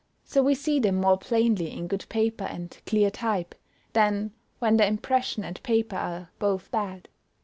so we see them more plainly in good paper and clear type, than when the impression and paper are both bad.